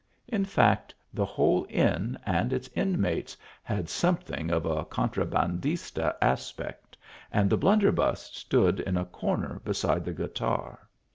In fact, the whole inn and its inmates had something of a contrabandista aspect, and the blunderbuss stood in a corner beside the guitar.